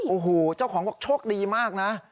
โอ้โหเจ้าของบอกโชคดีมากนะ